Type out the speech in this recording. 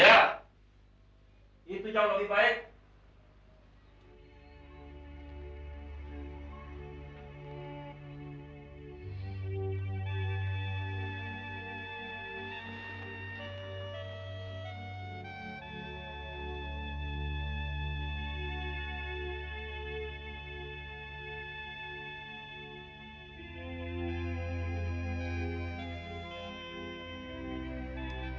ya itu yang lebih baik